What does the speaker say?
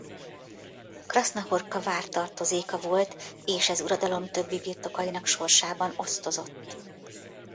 Krasznahorka vár tartozéka volt és ez uradalom többi birtokainak sorsában osztozott.